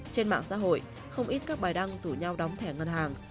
trên mạng xã hội không ít các bài đăng rủ nhau đóng thẻ ngân hàng